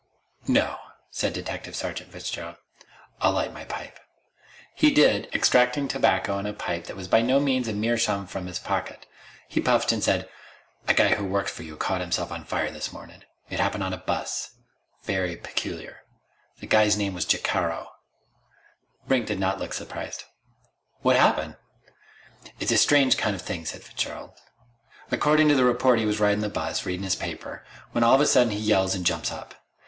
"No," said Detective Sergeant Fitzgerald. "I'll light my pipe." He did, extracting tobacco and a pipe that was by no means a meerschaum from his pocket. He puffed and said: "A guy who works for you caught himself on fire this mornin'. It happened on a bus. Very peculiar. The guy's name was Jacaro." Brink did not look surprised. "What happened?" "It's kind of a strange thing," said Fitzgerald. "Accordin' to the report he's ridin' this bus, readin' his paper, when all of a sudden he yells an' jumps up.